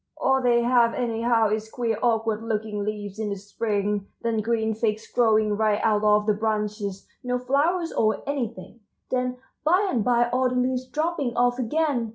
All they have anyhow is queer awkward looking leaves in the spring, then green figs growing right out of the branches, no flowers or anything, then by and by all the leaves dropping off again!